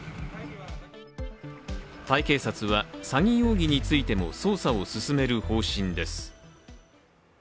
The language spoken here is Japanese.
タイ警察は詐欺容疑についても捜査を進める方針です。